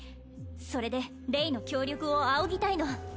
それでレイの協力を仰ぎたいの